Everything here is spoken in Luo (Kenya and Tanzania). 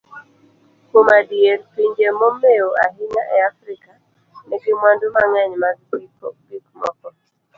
Kuom adier, pinje momewo ahinya e Afrika nigi mwandu mang'eny mag gik moko.